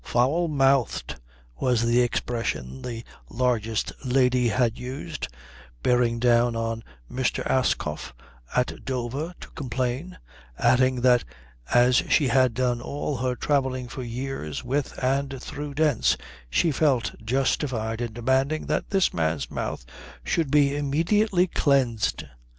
"Foul mouthed" was the expression the largest lady had used, bearing down on Mr. Ascough at Dover to complain, adding that as she had done all her travelling for years with and through Dent's she felt justified in demanding that this man's mouth should be immediately cleansed.